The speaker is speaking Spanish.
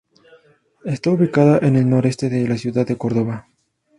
Está ubicada al noroeste de la ciudad de Córdoba.